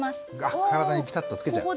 体にピタッとつけちゃう。